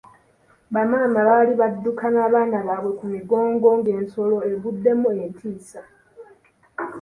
Bamaama baali badduka n'abaana baabwe ku migongo ng'ensolo eguddemu entiisa.